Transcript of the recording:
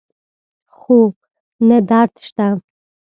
خو نه درد شته